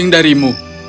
aku tidak bisa berhenti